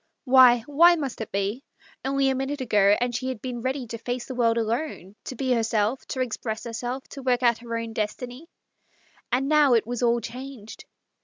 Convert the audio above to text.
Why, why must it be ? Only a minute ago and she had been ready to face the world alone, to be herself, to express herself, to work out her own destiny. And now it was all changed.